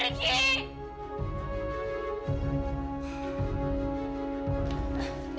siapa sudah datang pak